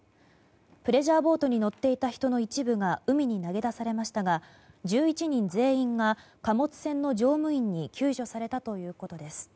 プレジャーボートに乗っていた人の一部が海に投げ出されましたが１１人全員が貨物船の乗務員に救助されたということです。